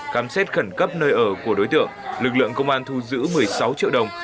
khám xét khẩn cấp nơi ở của đối tượng lực lượng công an thu giữ một mươi sáu triệu đồng